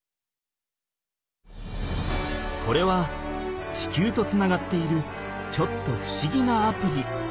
これは地球とつながっているちょっとふしぎなアプリ。